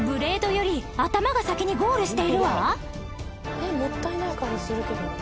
「えっもったいない感じするけど」